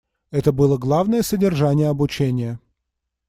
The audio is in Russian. Это было главное содержание обучения.